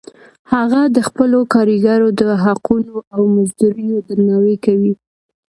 هغه د خپلو کاریګرو د حقونو او مزدوریو درناوی کوي